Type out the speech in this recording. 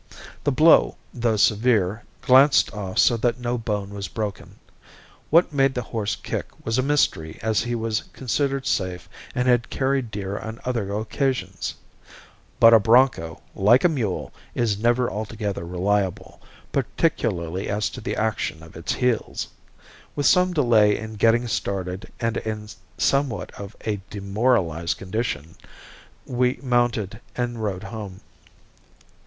The blow, though severe, glanced off so that no bone was broken. What made the horse kick was a mystery as he was considered safe and had carried deer on other occasions. But a bronco, like a mule, is never altogether reliable, particularly as to the action of its heels. With some delay in getting started and in somewhat of a demoralized condition we mounted and rode home.